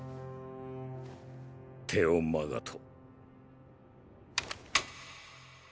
テオ・マガト。